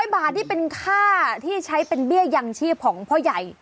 ๐บาทนี่เป็นค่าที่ใช้เป็นเบี้ยยังชีพของพ่อใหญ่